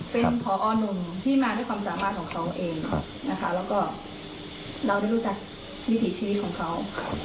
เป็นพอหนุ่มที่มาด้วยความสามารถของเขาเองนะคะแล้วก็เราได้รู้จักวิถีชีวิตของเขา